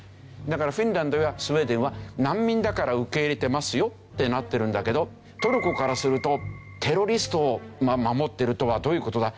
だからフィンランドやスウェーデンは難民だから受け入れてますよってなってるんだけどトルコからすると「テロリストを守ってるとはどういう事だ！」